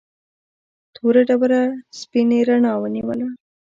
توره ډبره سپینې رڼا ونیوله.